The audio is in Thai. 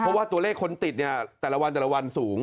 เพราะว่าตัวเลขคนติดเนี่ยแต่ละวันสูง